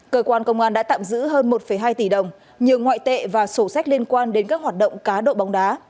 cơ quan công an đã tạm giữ hơn một hai tỷ đồng nhiều ngoại tệ và sổ sách liên quan đến các hoạt động cá độ bóng đá